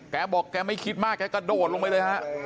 แกบอกแกไม่คิดมากแกกระโดดลงไปเลยฮะ